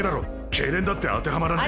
けいれんだって当てはまらない。